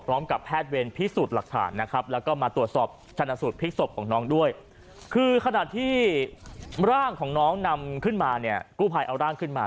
พร้อมกับแพทย์เวรพิสูจน์หลักฐานนะครับแล้วก็มาตรวจสอบชนะสูตรพลิกศพของน้องด้วยคือขณะที่ร่างของน้องนำขึ้นมาเนี่ยกู้ภัยเอาร่างขึ้นมา